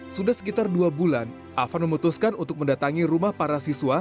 sudah sekitar dua bulan afan memutuskan untuk mendatangi rumah para siswa